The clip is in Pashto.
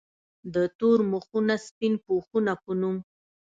د “ تور مخونه سپين پوښونه ” پۀ نوم